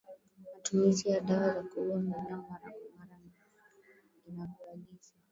Matumizi ya dawa za kuua minyoo mara kwa mara kama inavyoagizwa